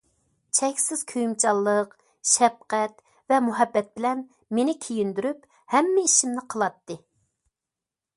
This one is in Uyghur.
چەكسىز كۆيۈمچانلىق، شەپقەت ۋە مۇھەببەت بىلەن مېنى كىيىندۈرۈپ، ھەممە ئىشىمنى قىلاتتى.